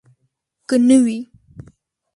که نه وي.